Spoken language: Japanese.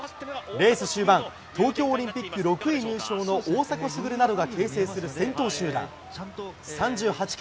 レース終盤、東京オリンピック６位入賞の大迫傑などが形成する先頭集団。